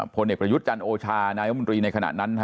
ผลเอกประยุทธ์จันทร์โอชานายมนตรีในขณะนั้น